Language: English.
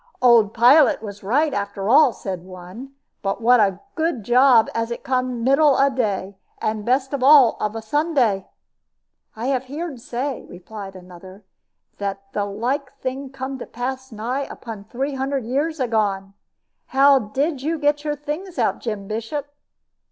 "Old pilot was right, after all," said one; "but what a good job as it come o' middle day, and best of all of a Sunday!" "I have heered say," replied another, "that the like thing come to pass nigh upon three hunder years agone. How did you get your things out, Jem Bishop?"